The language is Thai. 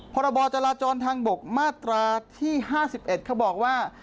พรบจราจรทางบกมาตราที่๕๑เขาบอกว่า